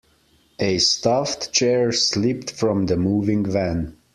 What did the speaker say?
A stuffed chair slipped from the moving van.